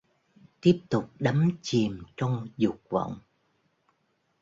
Tiếp tục đắm chìm trong Dục Vọng